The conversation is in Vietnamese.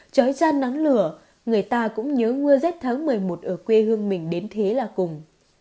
trói ra nắng lửa người ta cũng nhớ mưa rét tháng một mươi một ở quê hương mình đến thế là cùng